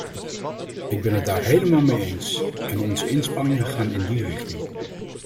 Ik ben het daar helemaal mee eens, en onze inspanningen gaan in die richting.